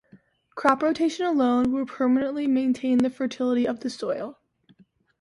Crop rotation alone will permanently maintain the fertility of the soil.